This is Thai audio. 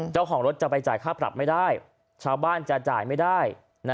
เจ้าของรถจะไปจ่ายค่าปรับไม่ได้ชาวบ้านจะจ่ายไม่ได้